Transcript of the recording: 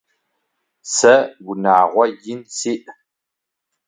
Сэ унагъо ин сиӏ.